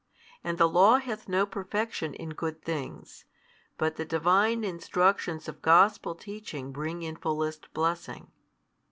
And the law hath no perfection in good things, but the Divine instructions of Gospel teaching bring in fullest blessing.